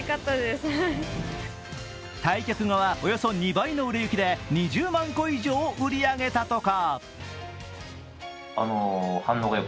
対局後はおよそ２倍の売れ行きで２０万個以上を売り上げたとか。